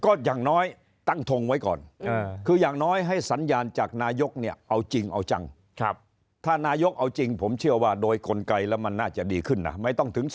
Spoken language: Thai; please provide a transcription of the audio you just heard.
ก็อย่างน้อยตั้งทงไว้ก่อนคืออย่างน้อยให้สัญญาณจากนายกเนี่ยเอาจริงเอาจัง